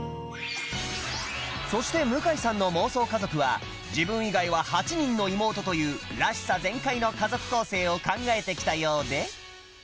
そして向さんの妄想家族は自分以外は８人の妹というらしさ全開の家族構成を考えてきたようで